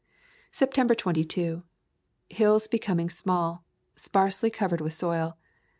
September 22. Hills becoming small, sparsely covered with soil.